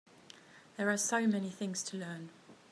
There are so many things to learn.